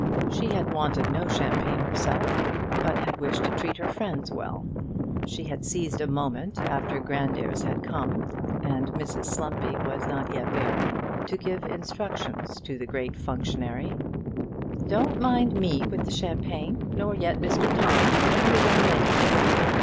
She had wanted no champagne herself, but had wished to treat her friends well. She had seized a moment after Grandairs had come, and Mrs Slumpy was not yet there, to give instructions to the great functionary. "Don't mind me with the champagne, nor yet Mr Tom, nor the young ladies."